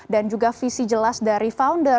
dan juga visi jelas dari founder